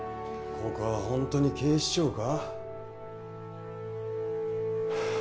ここは本当に警視庁か？